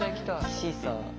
シーサー。